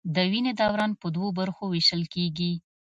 د وینې دوران په دوو برخو ویشل کېږي.